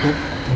biar gak telat